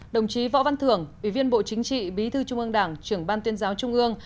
đồng chí võ văn thưởng ủy viên bộ chính trị bí thư trung ương đảng trưởng ban tuyên giáo trung ương